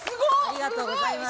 ありがとうございます。